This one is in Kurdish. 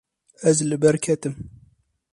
Ez li ber ketim.